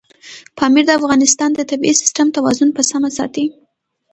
پامیر د افغانستان د طبعي سیسټم توازن په سمه ساتي.